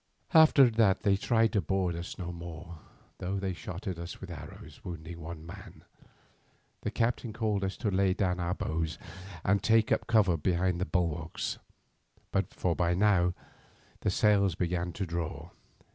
"After that they tried to board us no more, though they shot at us with arrows, wounding one man. The captain called to us to lay down our bows and take cover behind the bulwarks, for by now the sails began to draw.